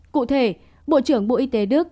cụ thể bộ trưởng bộ y tế đức